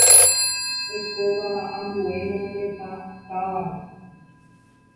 oikóva ambue ñane retã táva rupi